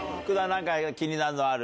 何か気になるのある？